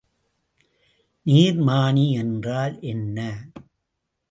நீர்மானி என்றால் என்ன?